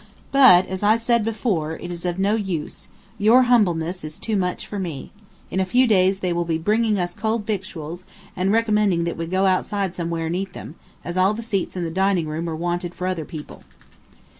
But, as I said before, it is of no use your humbleness is too much for me. In a few days they will be bringing us cold victuals, and recommending that we go outside somewhere and eat them, as all the seats in the dining room are wanted for other people."